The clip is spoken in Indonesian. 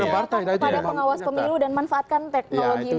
pada pengawas pemilu dan manfaatkan teknologi informasi